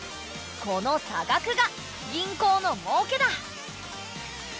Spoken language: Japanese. この差額が銀行の儲けだ。